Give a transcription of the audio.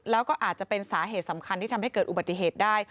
แล้วก็อาจจะเป็นสาเหตุสำคัญที่ทำให้เกิดอุบัติเหตุได้